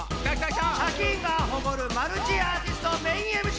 「シャキーン！」がほこるマルチアーティストメインＭＣ